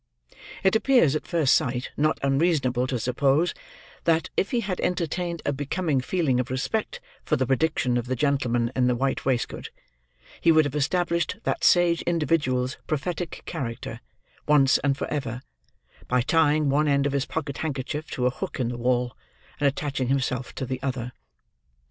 It appears, at first sight not unreasonable to suppose, that, if he had entertained a becoming feeling of respect for the prediction of the gentleman in the white waistcoat, he would have established that sage individual's prophetic character, once and for ever, by tying one end of his pocket handkerchief to a hook in the wall, and attaching himself to the other.